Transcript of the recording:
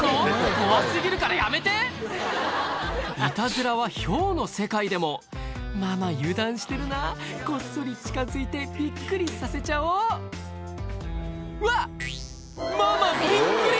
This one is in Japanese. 怖過ぎるからやめてイタズラはヒョウの世界でも「ママ油断してるな」「こっそり近づいてびっくりさせちゃおう」「ワッ！」ママびっくり！